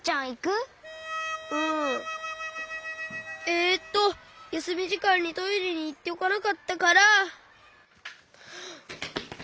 えっとやすみじかんにトイレにいっておかなかったから。